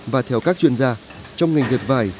và theo các chuyên gia trong ngành diệt vải